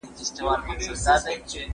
د ماشوم د پښو درد ته پام وکړئ.